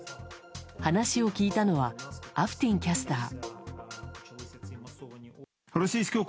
話を聞いたのはアフティンキャスター。